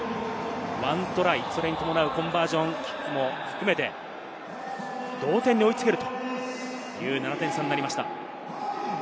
１トライ、それに伴うコンバージョンキックも含めて同点に追いつけるという７点差になりました。